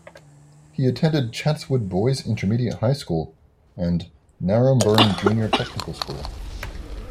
He attended Chatswood Boys Intermediate High School and Naremburn Junior Technical School.